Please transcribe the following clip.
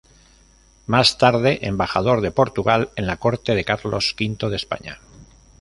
Más tarde, embajador de Portugal en la corte de Carlos V de España.